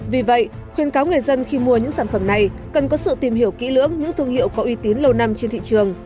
vì vậy khuyên cáo người dân khi mua những sản phẩm này cần có sự tìm hiểu kỹ lưỡng những thương hiệu có uy tín lâu năm trên thị trường